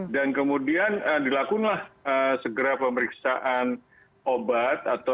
dan kemudian dilakukanlah segera pemeriksaan obat